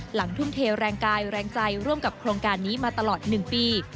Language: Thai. ทุ่มเทแรงกายแรงใจร่วมกับโครงการนี้มาตลอด๑ปี